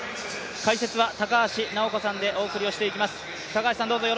解説は高橋尚子さんでお送りをしてまいります。